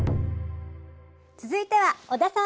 続いては小田さん！